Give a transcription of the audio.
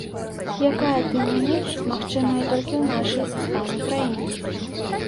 Якая, тым не менш, магчымая толькі ў нашай з вамі краіне.